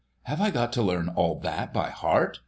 "Have I got to learn all that by heart?